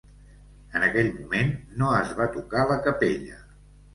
En aquell moment no es va tocar la capella.